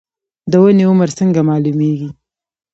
د ونې عمر څنګه معلومیږي؟